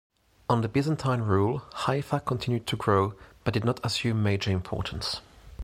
Under Byzantine rule, Haifa continued to grow but did not assume major importance.